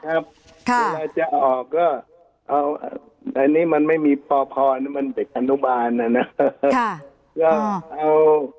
เวลาจะออกก็อันนี้มันไม่มีพอพรมันเป็นการุบาลนะครับ